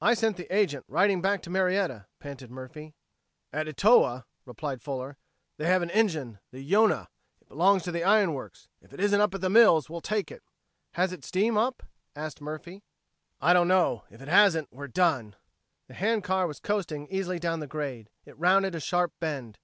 "I sent the agent riding back to Marietta," panted Murphy. "At Etowah," replied Fuller, "they have an engine the Yonah. It belongs to the iron works. If it isn't up at the mills we'll take it." "Has it steam up?" asked Murphy. "I don't know. If it hasn't, we're done." The hand car was coasting easily down the grade; it rounded a sharp bend.